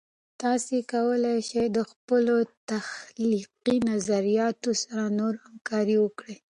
تاسې کولای سئ د خپلو تخلیقي نظریاتو سره نور همکارۍ وکړئ.